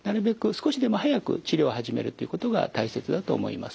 少しでも早く治療を始めるということが大切だと思います。